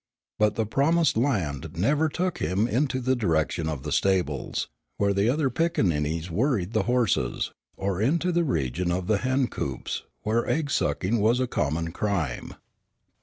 But the "promised land" never took him into the direction of the stables, where the other pickaninnies worried the horses, or into the region of the hen coops, where egg sucking was a common crime.